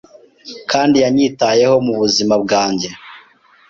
kandi yanyitayeho mu buzima bwange.